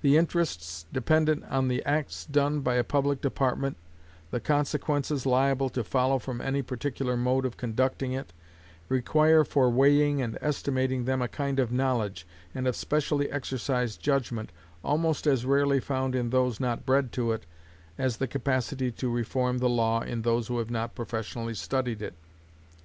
The interests dependent on the acts done by a public department, the consequences liable to follow from any particular mode of conducting it, require for weighing and estimating them a kind of knowledge, and of specially exercised judgment, almost as rarely found in those not bred to it, as the capacity to reform the law in those who have not professionally studied it.